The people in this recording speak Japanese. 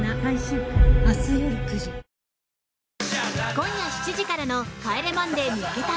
今夜７時からの「帰れマンデー見っけ隊！！」。